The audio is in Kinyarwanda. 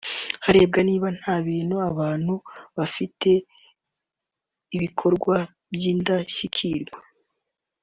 harebwa niba nta bandi bantu bafite ibikorwa by’indashyikirwa